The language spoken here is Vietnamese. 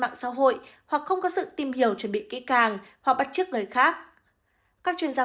mạng xã hội hoặc không có sự tìm hiểu chuẩn bị kỹ càng hoặc bắt trước người khác các chuyên gia